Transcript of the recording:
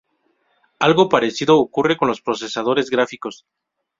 Algo parecido ocurre con los procesadores gráficos.